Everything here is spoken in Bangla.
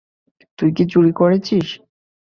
তুই কি চুরি করেছিস?